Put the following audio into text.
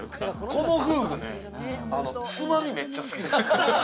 この夫婦でつまみめっちゃ好きです。